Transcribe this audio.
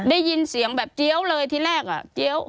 ได้ยินเสียงแบบเจี๊ยวเลยที่แรกอ่ะเจี๊ยว